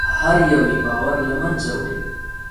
هر یو یې باور له منځه وړي.